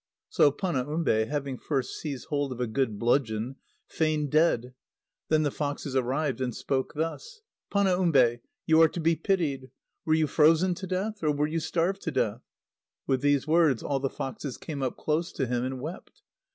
So Panaumbe, having first seized hold of a good bludgeon, feigned dead. Then the foxes arrived, and spoke thus: "Panaumbe! You are to be pitied. Were you frozen to death, or were you starved to death?" With these words, all the foxes came up close to him, and wept.